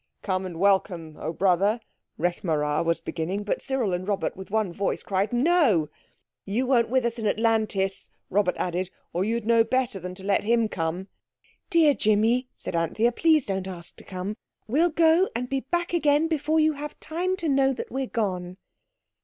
"Come, and welcome, oh brother," Rekh marā was beginning, but Cyril and Robert with one voice cried, "No." "You weren't with us in Atlantis," Robert added, "or you'd know better than to let him come." "Dear Jimmy," said Anthea, "please don't ask to come. We'll go and be back again before you have time to know that we're gone."